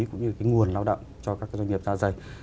cũng như cái nguồn lao động cho các doanh nghiệp da dày